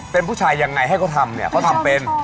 เป็นผู้ชายยังไงให้เขาทำเนี่ยเขาทำเป็น